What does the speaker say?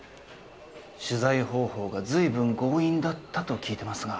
取材方法がずいぶん強引だったと聞いてますが。